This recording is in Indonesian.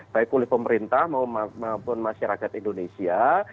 baik oleh pemerintah maupun masyarakat indonesia